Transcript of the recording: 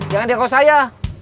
jangan dianggap saya